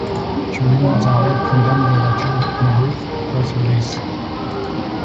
Shireen Mazari condemned the letter in a brief press release.